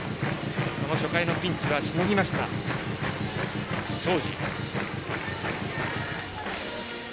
その初回のピンチはしのぎました庄司。